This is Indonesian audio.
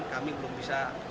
kami belum bisa